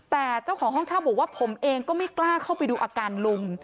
แต่เจ้าของห้องเช่าบอกว่าผมเองก็ไม่กล้าเข้าไปดูอาการลุง